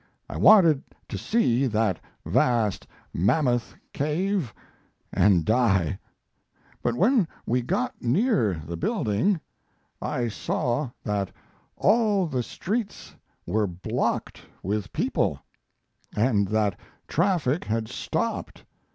I wanted to see that vast Mammoth cave and die. But when we got near the building I saw that all the streets were blocked with people, and that traffic had stopped.